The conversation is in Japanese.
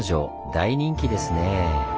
大人気ですねぇ。